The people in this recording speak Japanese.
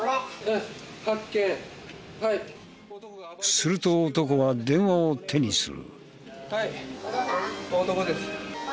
すると男は電話を手にする。